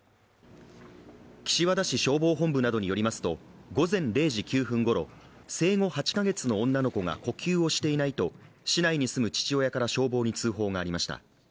和田市消防本部などによりますと、午前０時９分ごろ、生後８か月の女の子が呼吸をしていないと市内に住む父親から消防に通報がありました。